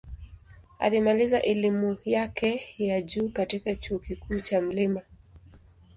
Alimaliza elimu yake ya juu katika Chuo Kikuu cha Mt.